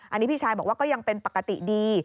อันนี้พี่ชายบอกว่าก็ยังเป็นปกติดี